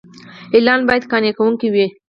اعلان باید قانع کوونکی وي.